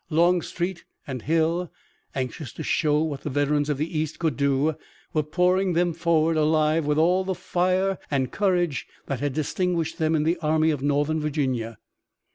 Longstreet and Hill, anxious to show what the veterans of the East could do, were pouring them forward alive with all the fire and courage that had distinguished them in the Army of Northern Virginia.